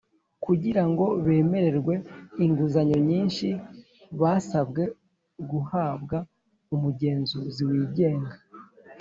Kugira ngo bemererwe inguzanyo nyinshi basabwe guhabwa umugenzuzi wigenga